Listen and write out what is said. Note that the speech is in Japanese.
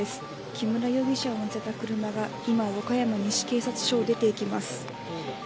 木村容疑者を乗せた車が今、和歌山西警察署を出ていきます。